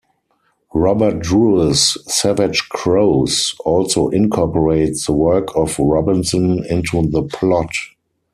Robert Drewes' 'Savage Crows' also incorporates the work of Robinson into the plot.